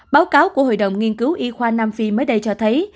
báo cáo của hội đồng nghiên cứu y khoa nam phi mới đây cho thấy